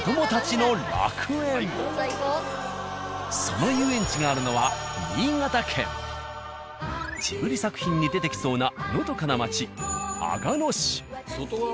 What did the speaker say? その遊園地があるのはジブリ作品に出てきそうなのどかな町阿賀野市。